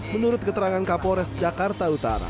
menurut keterangan kapolres jakarta utara